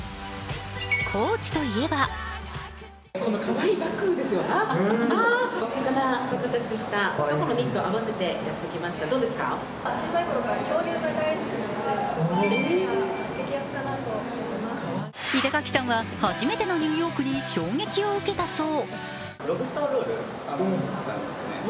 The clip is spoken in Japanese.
ＣＯＡＣＨといえば板垣さんは初めてのニューヨークに衝撃を受けたそう。